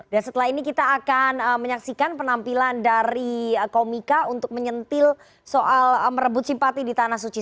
dan setelah ini kita akan menyaksikan penampilan dari komika untuk menyentil soal merebut simpati di tanah suci